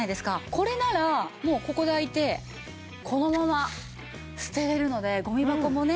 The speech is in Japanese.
これならもうここで開いてこのまま捨てられるのでゴミ箱もね